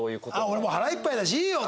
「俺もう腹いっぱいだしいいよ」。